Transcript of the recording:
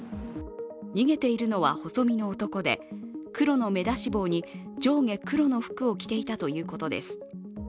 逃げているのは細身の男で黒の目出し帽に上下黒の服を着ていたということです。